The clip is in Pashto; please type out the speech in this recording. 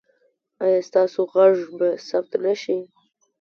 ایا ستاسو غږ به ثبت نه شي؟